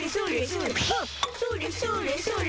それそれそれそれ。